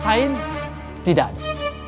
sain tidak ada